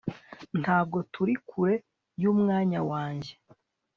ntabwo turi kure yumwanya wanjye